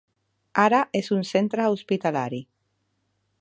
Ara és un centre hospitalari.